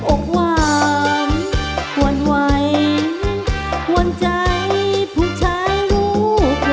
ออกหวานหวั่นไหวหวนใจผู้ชายรูปรอ